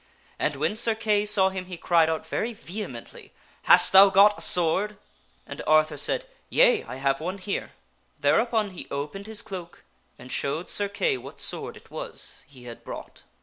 And when Sir Kay saw him he cried out, very vehemently, " Hast thou got a sword ?" And Arthur said, "Yea, I have one here." Thereupon he opened his cloak and showed Sir Kay what sword it was he had brought.